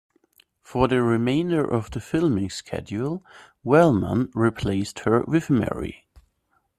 For the remainder of the filming schedule, Wellman replaced her with Mary.